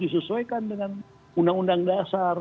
disesuaikan dengan undang undang dasar